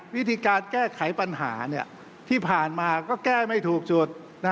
วิธีการแก้ไขปัญหาที่ผ่านมาก็แก้ไม่ถูกสุด